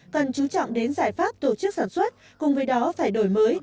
cần chú trọng đến giải pháp tổ chức sản xuất cùng với đó phải đổi mới